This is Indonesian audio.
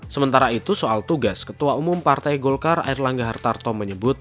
sementara itu soal tugas ketua umum partai golkar air langga hartarto menyebut